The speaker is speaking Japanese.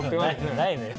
ないのよ。